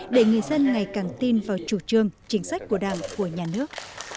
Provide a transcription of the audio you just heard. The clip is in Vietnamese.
để người dân ngày càng tin vào chủ trương chính sách của đảng của nhà nước